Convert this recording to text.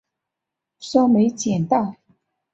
说没捡到